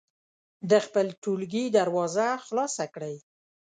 د خپل ټولګي دروازه خلاصه کړئ.